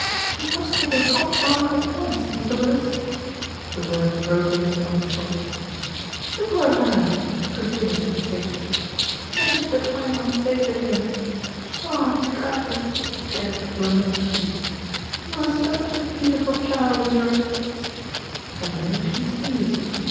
"He must have a hot bath at once, Mr. Willis." The words broke in upon his thoughts. "The poor lamb," continued Mrs. Higgs. "Many's the time I've bathed him. Ah! Mr. Alfred," she added reminis cently, "you were such a beautiful child in your " Suddenly she sneezed.